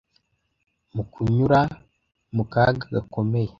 mu kunyura mu kaga gakomeye;